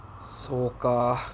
そうか。